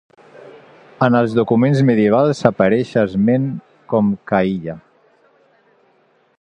En els documents medievals apareix esment com Ca Illa.